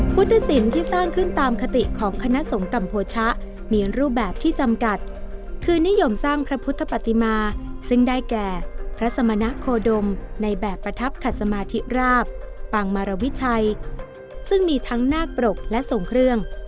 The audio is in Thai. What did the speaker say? พุทธศิลป์ที่สร้างขึ้นตามคติของคณะสงกัมโพชะมีรูปแบบที่จำกัดคือนิยมสร้างพระพุทธปฏิมาซึ่งได้แก่พระสมณะโคดมในแบบประทับขัดสมาธิราบปางมารวิชัยซึ่งมีทั้งนาคปรกและทรงเครื่อง